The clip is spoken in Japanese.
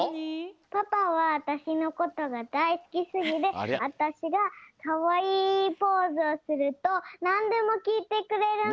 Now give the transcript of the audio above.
パパはわたしのことがだいすきすぎてわたしがかわいいポーズをするとなんでもきいてくれるの！